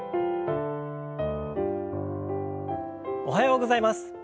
おはようございます。